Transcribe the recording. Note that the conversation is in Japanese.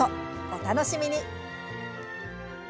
お楽しみに！